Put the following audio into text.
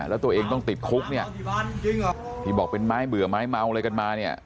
แล้วตัวเองต้องติดคุกเนี่ยที่บอกเป็นไม้เบื่อไม้เมาอะไรกันมาเนี่ย